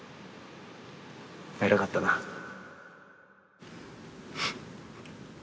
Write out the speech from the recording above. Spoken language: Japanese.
偉かったなフッ。